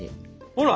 ほら！